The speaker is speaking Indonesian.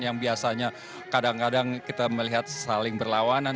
yang biasanya kadang kadang kita melihat saling berlawanan